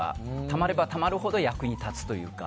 たまればたまるほど役に立つというか。